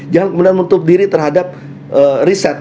jangan kemudian menutup diri terhadap riset